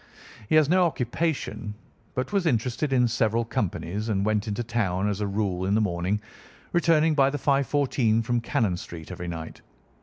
He had no occupation, but was interested in several companies and went into town as a rule in the morning, returning by the 5:14 from Cannon Street every night.